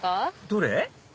どれ？